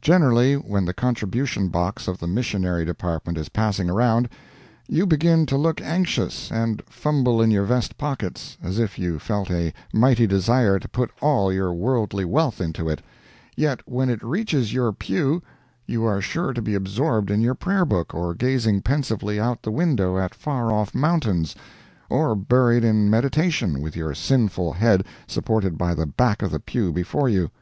Generally, when the contribution box of the missionary department is passing around, you begin to look anxious, and fumble in your vest pockets, as if you felt a mighty desire to put all your worldly wealth into it—yet when it reaches your pew, you are sure to be absorbed in your prayer book, or gazing pensively out of the window at far off mountains, or buried in meditation, with your sinful head supported by the back of the pew before you.